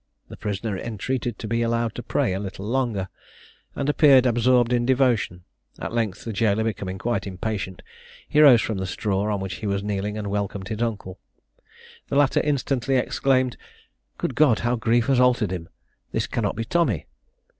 The prisoner entreated to be allowed to pray a little longer, and appeared absorbed in devotion. At length the jailor becoming quite impatient, he rose from the straw on which he was kneeling, and welcomed his uncle. The latter instantly exclaimed, "Good God! how grief has altered him! this cannot be Tommy!"